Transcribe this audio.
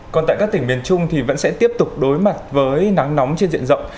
còn tại các tỉnh miền trung thì vẫn sẽ tiếp tục đối mặt với nắng nóng trên diện rộng